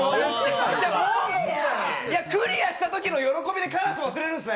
クリアしたときの喜びでカラス忘れるんですね。